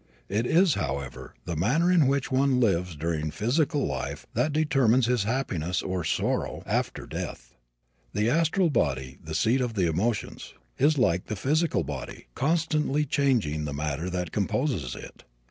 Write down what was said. It is, however, the manner in which one lives during physical life that determines his happiness or sorrow after death. The astral body, the seat of the emotions, is, like the physical body, constantly changing the matter that composes it.